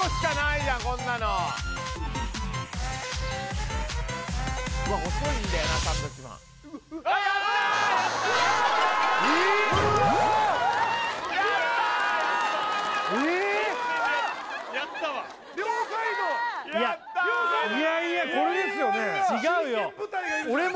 いやいやこれですよね違うよ